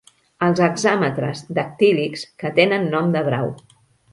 Els hexàmetres dactílics que tenen nom de brau.